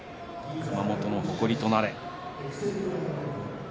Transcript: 熊本の誇りとなれ。